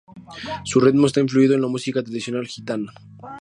Su ritmo está influido en la música tradicional gitana.